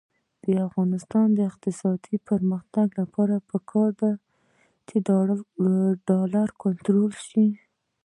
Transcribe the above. د افغانستان د اقتصادي پرمختګ لپاره پکار ده چې ډالر کنټرول شي.